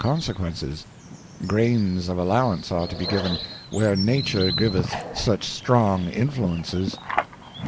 129 conse quences : Grains of allowance are to be given, where Nature giveth such "^strong Influences.